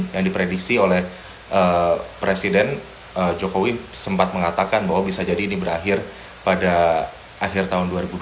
yang diprediksi oleh presiden jokowi sempat mengatakan bahwa bisa jadi ini berakhir pada akhir tahun dua ribu dua puluh